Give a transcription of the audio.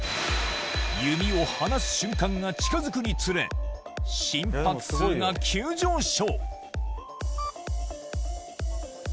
弓を離す瞬間が近づくにつれ、心拍数が急上昇。